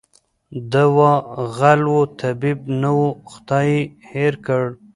ته وا غل وو طبیب نه وو خدای ېې هېر کړ